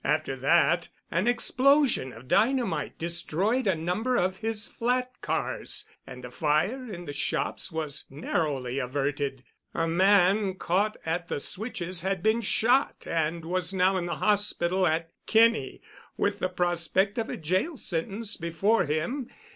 After that an explosion of dynamite destroyed a number of his flat cars, and a fire in the shops was narrowly averted. A man caught at the switches had been shot and was now in the hospital at Kinney with the prospect of a jail sentence before him.